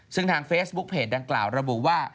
ซึ่งทางเฟซบุ๊คเพจดังกล่าวระบุว่า